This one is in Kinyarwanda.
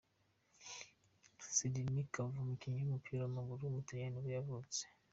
Sidney Govou, umukinnyi w’umupira w’amaguru w’umutaliyani ni bwo yavutse.